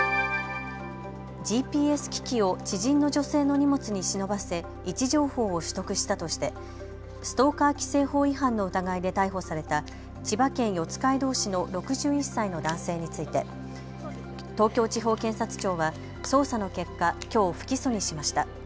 ＧＰＳ機器を知人の女性の荷物に忍ばせ位置情報を取得したとして、ストーカー規制法違反の疑いで逮捕された千葉県四街道市の６１歳の男性について東京地方検察庁は捜査の結果、きょう不起訴にしました。